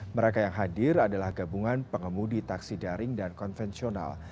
mereka yang hadir adalah gabungan pengemudi taksi daring dan konvensional